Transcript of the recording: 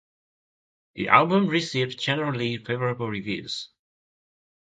The album received generally favorable reviews.